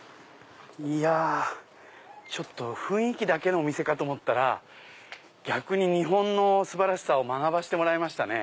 いやちょっと雰囲気だけのお店かと思ったら逆に日本の素晴らしさを学ばせてもらいましたね。